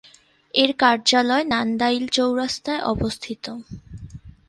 এর কার্যালয় নান্দাইল চৌরাস্তায় অবস্থিত।